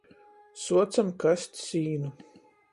Suocam kast sīnu.